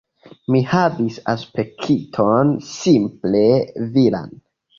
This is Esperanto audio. Mi havis aspekton simple viran.